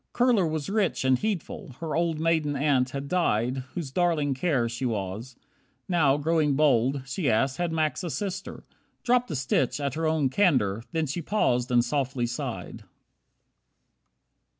Kurler was rich And heedful. Her old maiden aunt had died Whose darling care she was. Now, growing bold, She asked, had Max a sister? Dropped a stitch At her own candour. Then she paused and softly sighed.